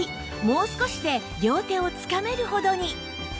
もう少しで両手をつかめるほどに